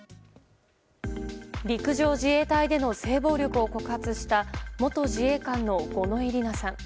陸上自衛隊での性暴力を告発した元自衛官の五ノ井里奈さん。